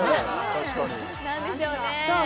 確かに何でしょうねさあ